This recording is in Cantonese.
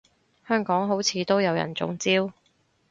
香港好似都有人中招